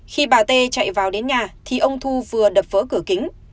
khi bà tê chạy vào đến nhà thì ông thu vừa đập vỡ cửa kính